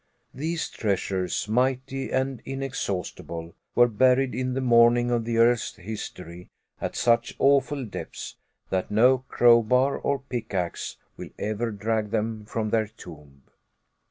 These treasures mighty and inexhaustible, were buried in the morning of the earth's history, at such awful depths, that no crowbar or pickax will ever drag them from their tomb!